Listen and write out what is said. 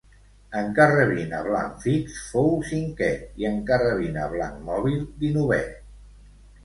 En carrabina, blanc fix fou cinquè i en carrabina, blanc mòbil dinovè.